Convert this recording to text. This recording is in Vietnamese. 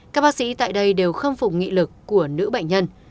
các bác sĩ tại đây đều khâm phục nghị lực của nữ bệnh nhân